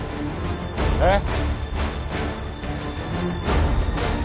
えっ？